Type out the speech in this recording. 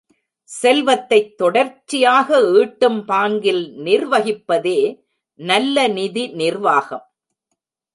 செல்வத்தைத் தொடர்ச்சியாக ஈட்டும் பாங்கில் நிர்வகிப்பதே நல்ல நிதி நிர்வாகம்.